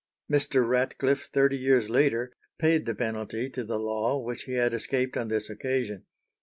Mr. Ratcliffe, thirty years later, paid the penalty to the law which he had escaped on this occasion.